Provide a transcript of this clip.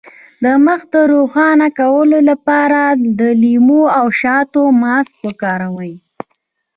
د مخ د روښانه کولو لپاره د لیمو او شاتو ماسک وکاروئ